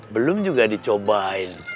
belum juga dicobain